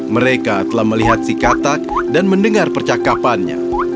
mereka telah melihat si katak dan mendengar percakapannya